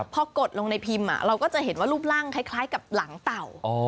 พอกดลงในพิมพ์เราก็จะเห็นว่ารูปร่างคล้ายกับหลังเต่า